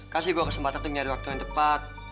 kasih gue kesempatan tuh nyari waktu yang tepat